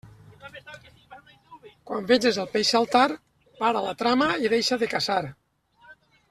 Quan veges el peix saltar, para la trama i deixa de caçar.